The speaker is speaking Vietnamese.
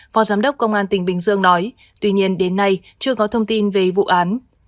phó giám đốc công an tỉnh bình dương nói tuy nhiên đến nay chưa có thông tin về vụ án